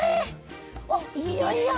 おっいいよいいよ。